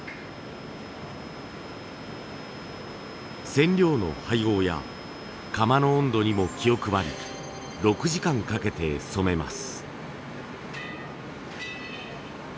染料の配合や釜の温度にも気を配り６時間かけて染めます。